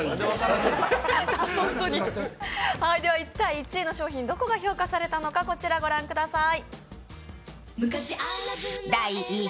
１位の商品どこが評価されたのか、ご覧ください。